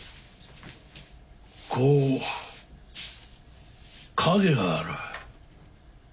こう影がある。